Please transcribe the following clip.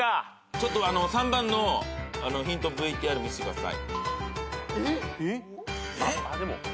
ちょっと３番のヒントＶＴＲ見せてください。